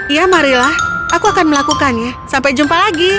iya marilla aku akan melakukannya sampai jumpa lagi